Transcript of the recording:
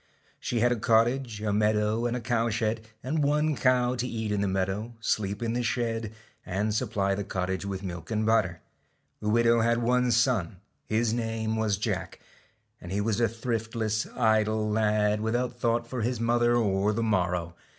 She STALK had a cottage, a meadow, and a cow shed, and one cow to eat in the meadow, sleep in the shed, and supply the cottage with milk and butter. The widow had one son, his name was Jacjg^. and he was a thriftless, idle lad, without thought for his mother or the morrow.